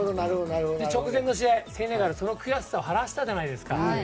直前の試合はセネガルがその悔しさを晴らしたじゃないですか。